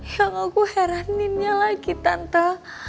yang aku heraninnya lagi tante